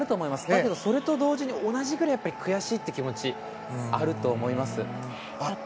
だけど、それと同時に同じくらい悔しい気持ちがあると思います。